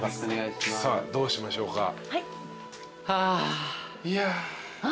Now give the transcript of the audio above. さあどうしましょうか？はあ。いや。